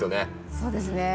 そうですね。